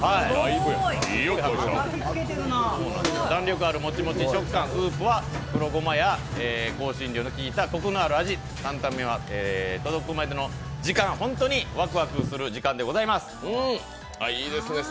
弾力あるもちもち食感スープは香辛料のきいたコクのある味わいで、担々麺が届くまでの時間、ホントにワクワクする時間でございます。